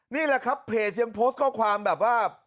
นี่แหละครับเพจยังโพสต์ข้อความแบบว่า